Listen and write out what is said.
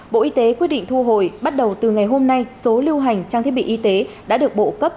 bộ y tế quyết định thu hồi bắt đầu từ ngày hôm nay số lưu hành trang thiết bị y tế đã được bộ cấp